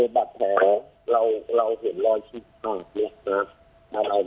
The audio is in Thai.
บัตรแผลเราเห็นรอยชื่นปากนี่ครับ